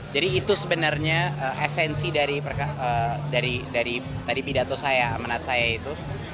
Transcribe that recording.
jadi itu sebenarnya esensi dari pidato saya amanat saya itu